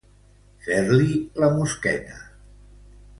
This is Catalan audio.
Fer-li la mosqueta.